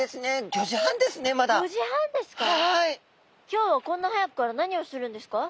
今日はこんな早くから何をするんですか？